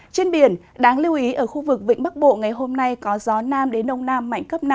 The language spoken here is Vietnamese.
trên biển đáng lưu ý ở khu vực vịnh bắc bộ ngày hôm nay có gió nam đến đông nam mạnh cấp năm